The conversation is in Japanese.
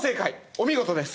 お見事です。